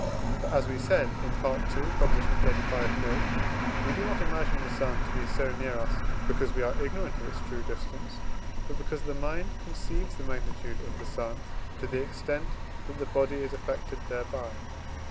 For, as we said in II. xxxv. note, we do not imagine the sun to be so near us, because we are ignorant of its true distance, but because the mind conceives the magnitude of the sun to the extent that the body is affected thereby.